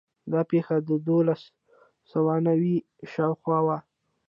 دا پېښه د دولس سوه نوي شاوخوا وه.